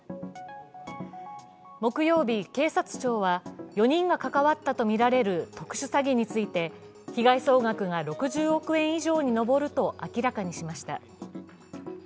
木曜日、警察庁は４人が関わったとみられる特殊詐欺について被害総額が６０億円以上に上ると明らかにしました。